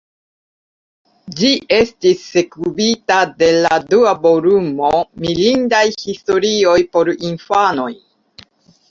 Ĝi estis sekvita de la dua volumo, "Mirindaj historioj por infanoj".